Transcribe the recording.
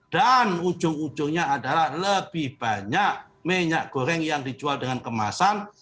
dan ujung ujungnya adalah lebih banyak minyak goreng yang dijual dengan kemasan